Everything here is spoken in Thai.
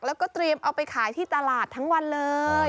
แล้วก็เตรียมเอาไปขายที่ตลาดทั้งวันเลย